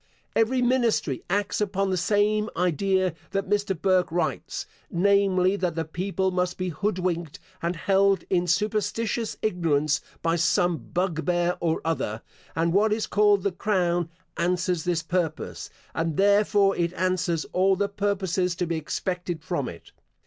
Every ministry acts upon the same idea that Mr. Burke writes, namely, that the people must be hood winked, and held in superstitious ignorance by some bugbear or other; and what is called the crown answers this purpose, and therefore it answers all the purposes to be expected from it.